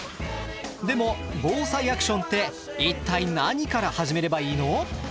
でも「ＢＯＳＡＩアクション」って一体何から始めればいいの？